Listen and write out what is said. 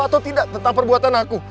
atau tidak tentang perbuatan aku